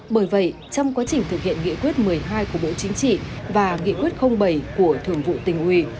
bởi vậy trong quá trình thực hiện nghị quyết một mươi hai của bộ chính trị và nghị quyết bảy của thường vụ tỉnh ủy